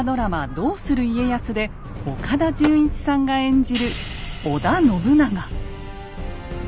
「どうする家康」で岡田准一さんが演じる